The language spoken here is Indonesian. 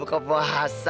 aku udah buka puasa